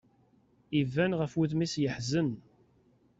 Iban ɣef wudem-is yeḥzen.